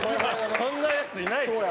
そんなヤツいないから。